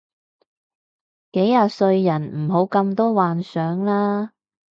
幾廿歲人唔好咁多幻想啦